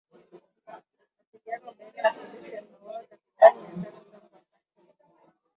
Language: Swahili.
Mapigano baina ya polisi yameuwa takriban watu mia tangu wakati huo.